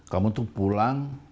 kamu tuh pulang